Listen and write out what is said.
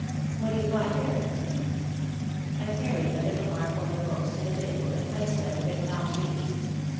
"What do you find there?" I carried a little armful of books to the table, and placed them within Tom's reach.